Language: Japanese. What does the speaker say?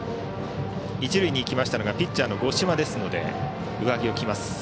一塁に行きましたのがピッチャーの五島ですので上着を着ます。